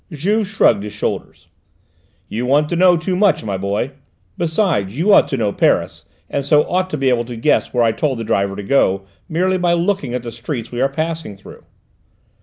Juve shrugged his shoulders. "You want to know too much, my boy. Besides, you ought to know Paris, and so ought to be able to guess where I told the driver to go, merely by looking at the streets we are passing through."